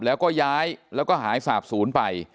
แล้วก็ย้ายแล้วก็หายสาบศูนย์ไป